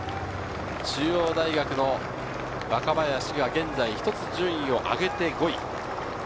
中央大学の若林が現在１つ順位を上げて５位。